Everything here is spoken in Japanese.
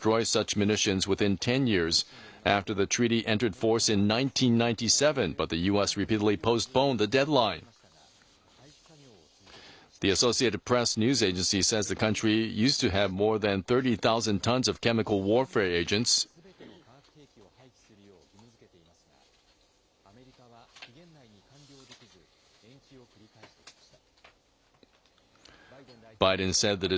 １９９７年に発効した条約は、１０年以内にすべての化学兵器を廃棄するよう義務づけていますが、アメリカは期限内に完了できず、延期を繰り返してきました。